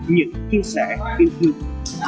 những chia sẻ yêu thương